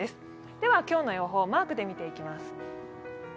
では今日の予報をマークで見ていきます。